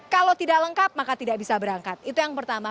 kalau tidak lengkap maka tidak bisa berangkat itu yang pertama